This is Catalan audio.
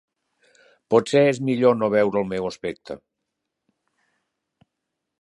Potser és millor no veure el meu aspecte.